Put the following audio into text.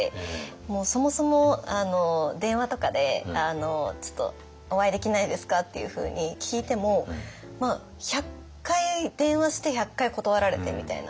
もうそもそも電話とかで「ちょっとお会いできないですか？」っていうふうに聞いても１００回電話して１００回断られてみたいな。